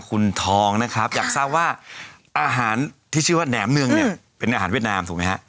คุณทองนะครับอยากทราบว่าอาหารที่ชื่อว่าแหนมเนืองเนี่ยเป็นอาหารเวียดนามถูกไหมฮะ